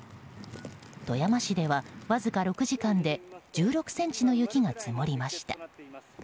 富山市ではわずか６時間で１６ｃｍの雪が積もりました。